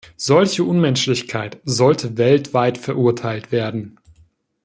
Solche Unmenschlichkeit sollte weltweit verurteilt werden.